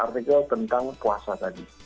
artikel tentang puasa tadi